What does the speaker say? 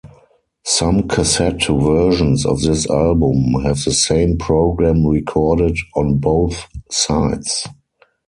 Some cassette versions of this album have the same program recorded on both sides.